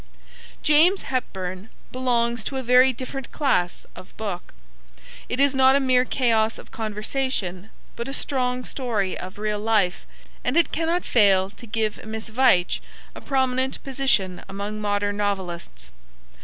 James Hepburn belongs to a very different class of book. It is not a mere chaos of conversation, but a strong story of real life, and it cannot fail to give Miss Veitch a prominent position among modern novelists.